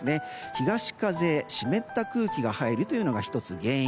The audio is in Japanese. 東風、湿った空気が入るというのが１つ原因。